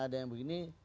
ada yang begini